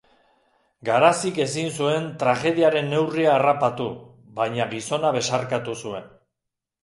Garazik ezin zuen tragediaren neurria harrapatu, baina gizona besarkatu zuen.